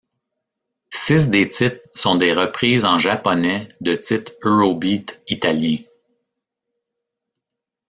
Six des titres sont des reprises en japonais de titres eurobeat italiens.